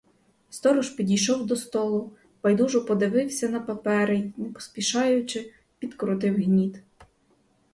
Сторож підійшов до столу, байдужо подивився на папери й, не поспішаючи, підкрутив гніт.